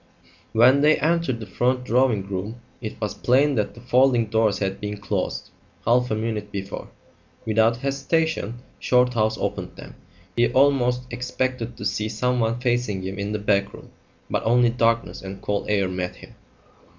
When they entered the front drawing room it was plain that the folding doors had been closed half a minute before. Without hesitation Shorthouse opened them. He almost expected to see someone facing him in the back room; but only darkness and cold air met him.